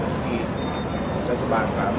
แล้วก็จะกรรมรอดทั้งหมดแล้วก็จะกรรมรอดทั้งหมด